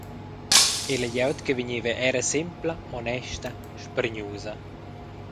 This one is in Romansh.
E la glieud che vegneva era sempla, honesta, spargnusa.